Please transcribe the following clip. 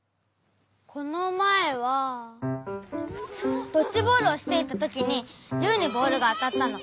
このまえはドッジボールをしていたときにユウにボールがあたったの。